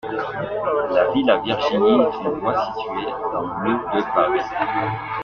La villa Virginie est une voie située dans le de Paris.